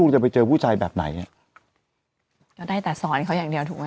จะไปเจอผู้ชายแบบไหนอ่ะก็ได้แต่สอนเขาอย่างเดียวถูกไหม